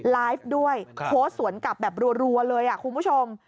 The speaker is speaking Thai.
ไลฟ์ด้วยโพสต์สวนกลับแบบรัวเลยคุณผู้ชม